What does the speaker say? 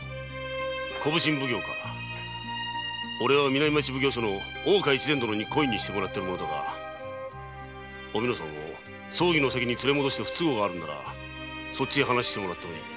おれは南町奉行の大岡殿に懇意にしてもらっている者だがおみのさんを葬儀の席に連れ戻して不都合があるならそっちへ話してもらってもいい。